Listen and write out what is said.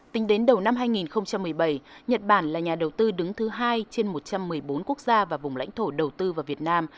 tính đến đầu năm hai nghìn một mươi bảy nhật bản là nhà đầu tư đứng thứ hai trên một trăm một mươi bốn quốc gia và vùng lãnh thổ đầu tư vào việt nam